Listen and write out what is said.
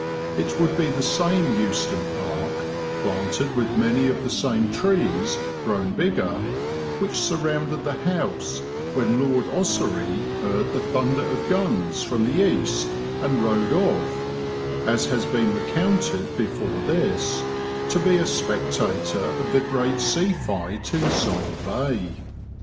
It would be the same Euston Park, planted with many of the same trees, grown bigger, which surrounded the house, when Lord Ossory heard the thunder of guns from the east and rode off, as has been recounted before this, to be a spectator of the great sea fight in Sole Bay.